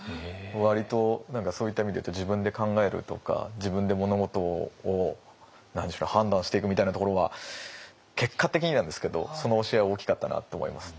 割とそういった意味で言うと自分で考えるとか自分で物事を判断していくみたいなところは結果的になんですけどその教えは大きかったなと思います。